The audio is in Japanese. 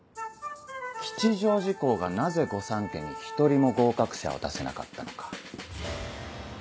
吉祥寺校がなぜ御三家に一人も合格者を出せなかったのか。